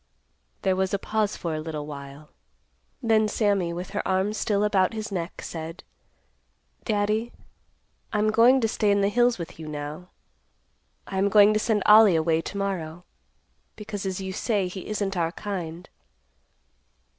There was a pause for a little while; then Sammy, with her arms still about his neck, said, "Daddy, I'm going to stay in the hills with you now. I am going to send Ollie away to morrow, because as you say, he isn't our kind.